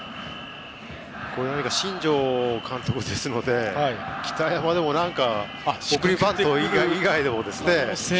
新庄監督ですので北山でも送りバント以外のことを。